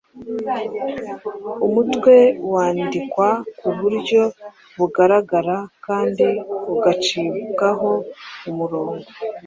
Umutwe wandikwa mu buryo bugaragara kandi ugacibwaho umurongo.